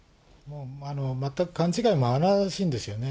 全く勘違いも甚だしいんですよね。